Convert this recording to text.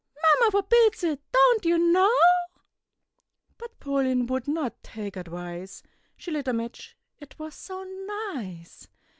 Mamma forbids it, don't you know?" But Pauline would not take advice, She lit a match, it was so nice!